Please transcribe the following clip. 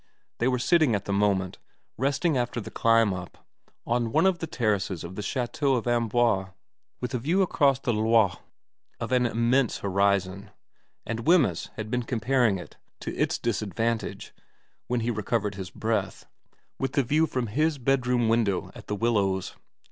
" They were sitting at the moment, resting after the climb up, on one of the terraces of the Chateau of Amboise, with a view across the Loire of an immense horizon, and Wemyss had been comparing it, to its disadvantage, when he recovered his breath, with the view from his bedroom window at The Willows.